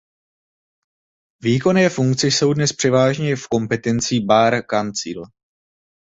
Výkonné funkce jsou dnes převážně v kompetenci Bar Council.